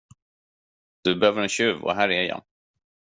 Du behöver en tjuv, och här är jag.